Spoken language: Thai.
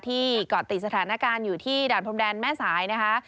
เกาะติดสถานการณ์อยู่ที่ด่านพรมแดนแม่สายนะคะ